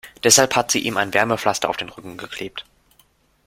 Deshalb hat sie ihm ein Wärmepflaster auf den Rücken geklebt.